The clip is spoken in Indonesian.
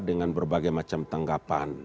dengan berbagai macam tanggapan